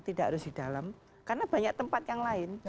kalau saya mau di dalam karena banyak tempat yang lain